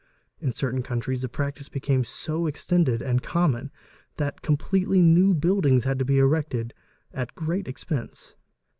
In certain countries the practice became so extended and common that completely new buildings had to be erected at great expense.